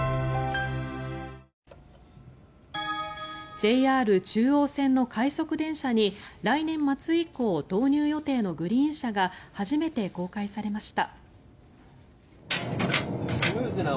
ＪＲ中央線の快速電車に来年末以降導入予定のグリーン車が初めて公開されました。